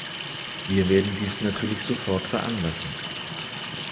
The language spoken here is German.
Wir werden dies natürlich sofort veranlassen.